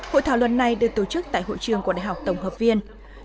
hội thảo lần này được tổ chức tại hội trường của đại học tổng hợp viên